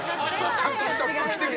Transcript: ちゃんとした服着ていけ！